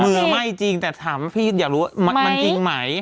มือไม่จริงแต่ถามพี่อยากรู้ว่ามันจริงไหม